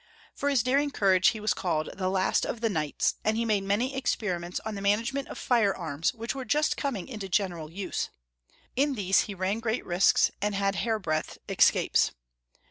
For his daring courage he was called the Last of the Knights, and he made many experiments on the management of fire arms, which were just com ing into general use. In these he ran great risks and had hairbreadth escapes.